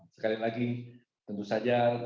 sekali lagi tentu saja